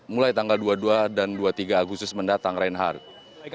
mulai tanggal dua puluh dua dan dua puluh tiga agustus mendatang reinhardt